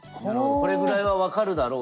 これぐらいは分かるだろう